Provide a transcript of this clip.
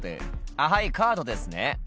「あっはいカードですね」